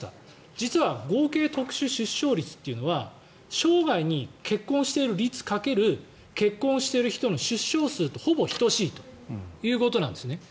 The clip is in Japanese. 実は合計特殊出生率というのは生涯に結婚している率掛ける結婚している人の出生数とほぼ等しいということなんですね。